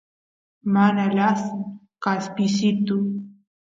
mana lasan kaspisitu